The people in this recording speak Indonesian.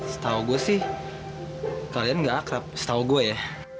setau gue sih kalian nggak akrab setau gue ya